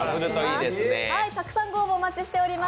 たくさんご応募お待ちしております。